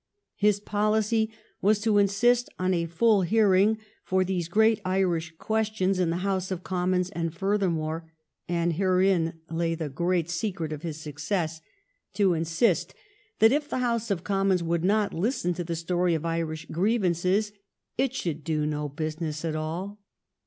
His policy was to insist on a full hearing for these great Irish questions in the House of Commons, and, furthermore, — and herein lay the great THE TWO SPHINXES, IRELAND AND EGYPT 341 secret of his success, — to insist that if the House of Commons would not listen to the story of Irish grievances, it should do no business at all.